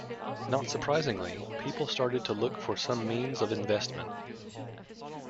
Not surprisingly, people started to look for some means of investment.